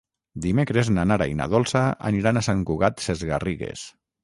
Dimecres na Nara i na Dolça aniran a Sant Cugat Sesgarrigues.